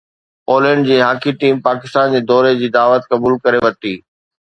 Poland جي hockey team Pakistan جي دوري جي دعوت قبول ڪري ورتي